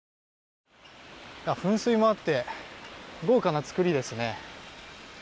噴水もあって豪華な作りですね。